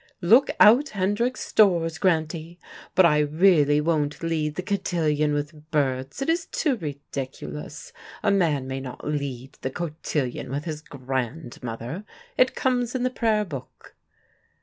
Look out Hendrick's Stores, Grantie. But I really won't lead the cotillion with Berts. It is too ridiculous: a man may not lead the cotillion with his grandmother: it comes in the prayer book."